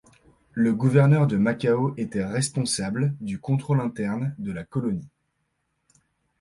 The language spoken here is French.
Le gouverneur de Macao était responsable du contrôle interne de la colonie.